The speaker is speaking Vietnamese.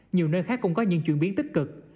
nhiều nơi khác cũng có những chuyển biến tích cực